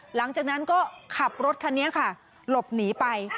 หลังจากนั้นก็ขับรถคันนี้ค่ะหลบหนีไป